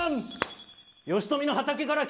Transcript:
吉富の畑から来ました。